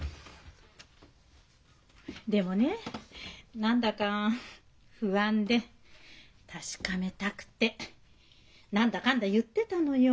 でもね何だか不安で確かめたくて何だかんだ言ってたのよ。